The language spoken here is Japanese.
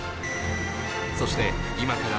そして今から